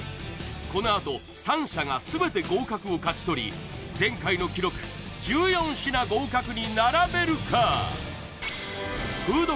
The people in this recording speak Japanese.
このあと３社が全て合格を勝ち取り前回の記録１４品合格に並べるか？